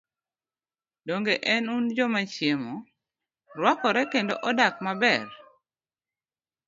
Donge en un joma chiemo, rwakore kendo odak maber?